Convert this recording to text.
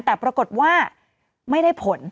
แต่ปรากฏว่าไม่ได้ผล